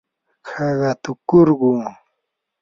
haqatukurquu.